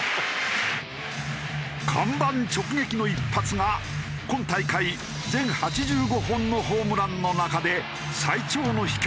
看板直撃の一発が今大会全８５本のホームランの中で最長の飛距離